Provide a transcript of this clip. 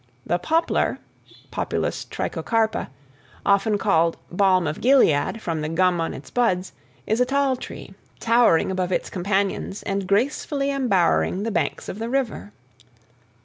The poplar (Populus trichocarpa), often called balm of Gilead from the gum on its buds, is a tall tree, towering above its companions and gracefully embowering the banks of the river.